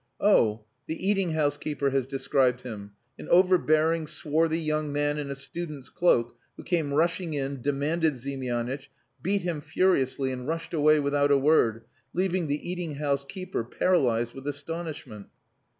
"Oh! The eating house keeper has described him. An overbearing, swarthy young man in a student's cloak, who came rushing in, demanded Ziemianitch, beat him furiously, and rushed away without a word, leaving the eating house keeper paralysed with astonishment."